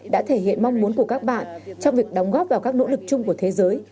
đã thể hiện mong muốn của các bạn trong việc đóng góp vào các nỗ lực chung của thế giới